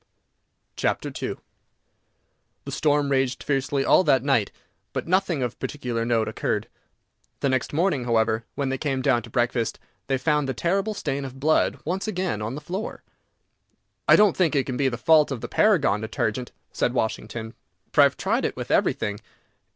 II The storm raged fiercely all that night, but nothing of particular note occurred. The next morning, however, when they came down to breakfast, they found the terrible stain of blood once again on the floor. "I don't think it can be the fault of the Paragon Detergent," said Washington, "for I have tried it with everything.